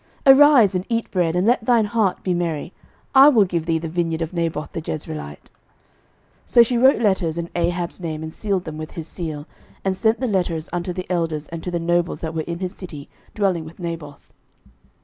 arise, and eat bread, and let thine heart be merry: I will give thee the vineyard of Naboth the Jezreelite. 11:021:008 So she wrote letters in Ahab's name, and sealed them with his seal, and sent the letters unto the elders and to the nobles that were in his city, dwelling with Naboth.